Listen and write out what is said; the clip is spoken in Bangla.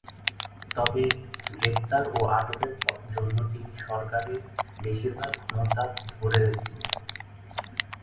তবে, গ্রেপ্তার ও আটকের জন্য তিনি সরকারের বেশিরভাগ ক্ষমতা ধরে রেখেছিলেন।